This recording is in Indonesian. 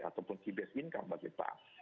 ataupun key base income bagi bank